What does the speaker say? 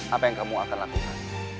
apa yang kamu akan lakukan